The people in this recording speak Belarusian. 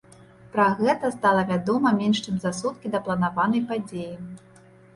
Пра гэта стала вядома менш чым за суткі да планаванай падзеі.